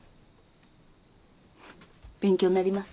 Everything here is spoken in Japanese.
勉強になります。